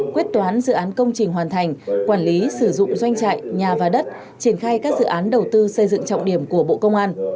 quyết toán dự án công trình hoàn thành quản lý sử dụng doanh trại nhà và đất triển khai các dự án đầu tư xây dựng trọng điểm của bộ công an